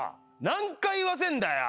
何回言わせんだよ。